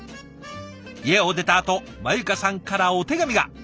家を出たあとまゆかさんからお手紙が。